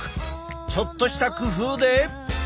ちょっとした工夫で。